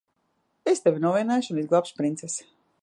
Es tevi novinnēšu un izglābšu princesi.